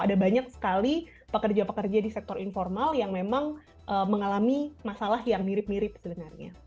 ada banyak sekali pekerja pekerja di sektor informal yang memang mengalami masalah yang mirip mirip sebenarnya